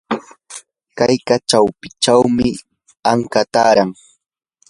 qaqa chawpinchawmi anka taaran.